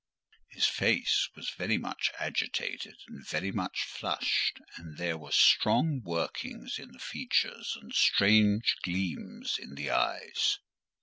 His face was very much agitated and very much flushed, and there were strong workings in the features, and strange gleams in the eyes.